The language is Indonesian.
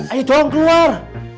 ayo dong keluar